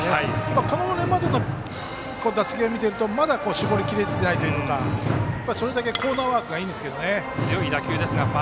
これまでの打席を見ているとまだ絞りきれていないというかそれだけコーナーワークがいいんですね。